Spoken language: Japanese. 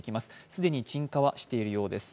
既に鎮火はしているようです。